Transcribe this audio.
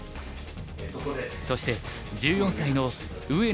そして１４歳の上野梨紗初段。